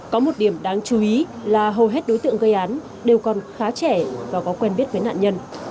có một điểm đáng chú ý là hầu hết đối tượng gây án đều còn khá trẻ và có quen biết với nạn nhân